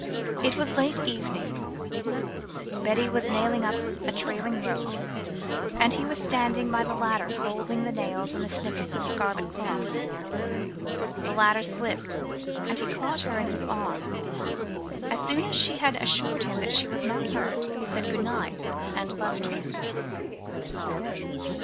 It was late evening: Betty was nailing up a trailing rose, and he was standing by the ladder holding the nails and the snippets of scarlet cloth. The ladder slipped, and he caught her in his arms. As soon as she had assured him that she was not hurt, he said good night and left her.